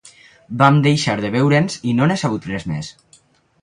Vam deixar de veure'ns i no n'he sabut res més